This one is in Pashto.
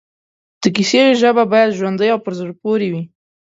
د کیسې ژبه باید ژوندۍ او پر زړه پورې وي